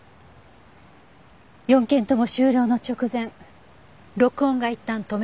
４件とも終了の直前録音がいったん止められていました。